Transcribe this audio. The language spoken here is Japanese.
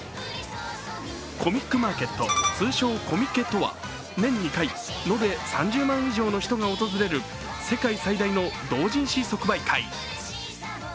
コミックマーケット、通称・コミケとは年２回、延べ３０万以上の人が訪れる世界最大の同人誌即売会。